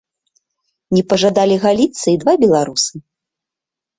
Не пажадалі галіцца і два беларусы.